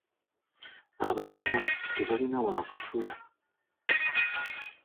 Abasawo tebalina waakusula.